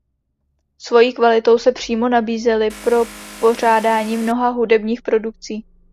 Svojí kvalitou se přímo nabízely pro pořádání mnoha hudebních produkcí.